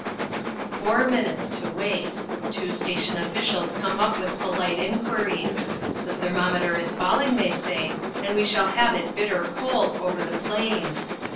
Four minutes to wait. Two station officials come up with polite inquiries. The thermometer is falling, they say, and we shall have it bitter cold over the plains.